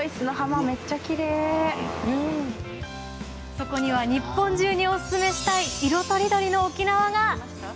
そこには日本中におすすめしたい色とりどりの沖縄が。